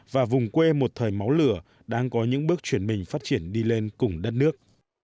và vùng quê một thời máu lửa đang có những bước chuyển mình phát triển đi lên cùng đất nước